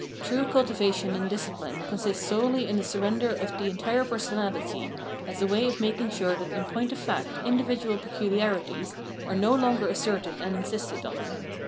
True cultivation and discipline consist solely in the surrender of the entire personahty, as a way of making sure that in point of fact iudividual pecuharities are no longer asserted and insisted on.